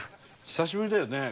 久しぶりだよね？